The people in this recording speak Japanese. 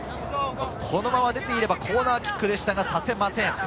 このまま出ていればコーナーキックでしたが、させません。